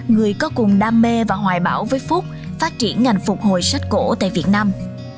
người có cùng đam mê và hoài bảo với phúc phát triển ngành phục hồi sách cổ tại việt nam